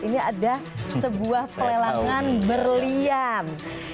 ini ada sebuah pelelangan berlian